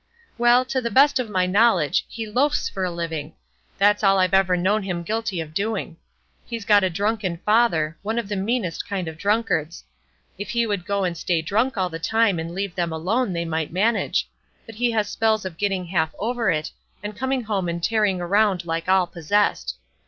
"Well, to the best of my knowledge, he loafs for a living. That's all I've ever known him guilty of doing. He's got a drunken father, one of the meanest kind of drunkards. If he would go and stay drunk all the time and leave them alone they might manage; but he has spells of getting half over it, and coming home and tearing around like all possessed.